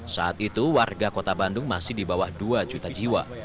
saat itu warga kota bandung masih di bawah dua juta jiwa